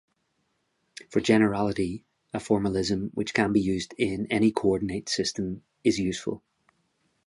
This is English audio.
For generality, a formalism which can be used in any coordinate system is useful.